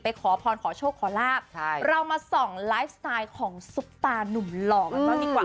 ขอพรขอโชคขอลาบใช่เรามาส่องไลฟ์สไตล์ของซุปตานุ่มหล่อกันบ้างดีกว่า